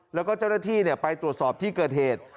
แล้วก็เจ้าหน้าที่ไปตรวจสอบที่เกิดเหตุ